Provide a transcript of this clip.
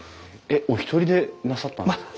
えっお一人でなさったんですか？